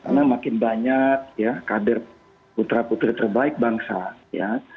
karena makin banyak ya kader putra putri terbaik bangsa ya